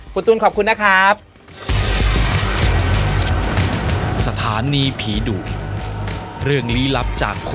คุณตูนขอบคุณนะครับ